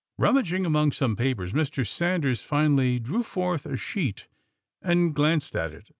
Rummaging among some papers Mr. Sanders finally drew forth a sheet and glanced at it.